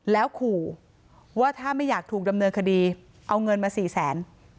แล้วขู่ว่าถ้าไม่อยากถูกดำเนินคดีเอาเงินมาสี่แสน